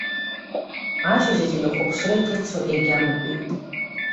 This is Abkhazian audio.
Ашьыжь ателехәаԥшра иҿыцу егьамҳәеит.